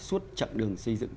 suốt chặng đường xây dựng